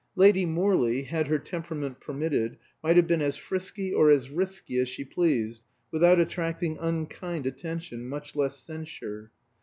Lady Morley, had her temperament permitted, might have been as frisky or as risky as she pleased, without attracting unkind attention, much less censure.